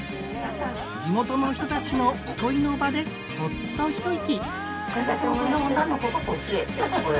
地元の人たちの憩いの場でほっと一息。